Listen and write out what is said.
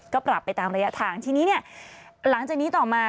ก็ปรับไปตามระยะทางทีนี้เนี่ยหลังจากนี้ต่อมา